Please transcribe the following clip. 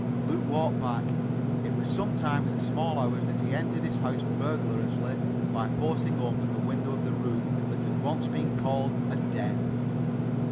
Luke walked back. It was some time in the small hours that he entered his house burglariously by forcing open the window of a room that had once been called a den.